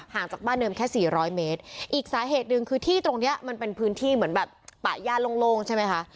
จากบ้านเดิมแค่สี่ร้อยเมตรอีกสาเหตุหนึ่งคือที่ตรงเนี้ยมันเป็นพื้นที่เหมือนแบบป่าย่าโล่งใช่ไหมคะ